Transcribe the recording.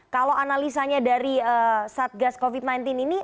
kalau analisanya dari satgas covid sembilan belas ini